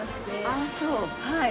あぁそう。はい。